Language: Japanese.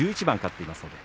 １１番勝っています。